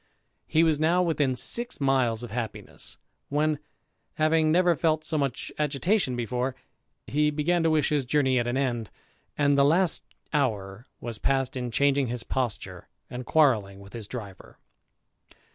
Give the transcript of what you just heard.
He was now within six miles of happiness ; when, having never felt so much agitation before, he began to wish his journey at an end, and the last hour was passed in changing his posture, and quarrelling with his driver.